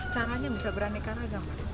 caranya bisa beraneka agama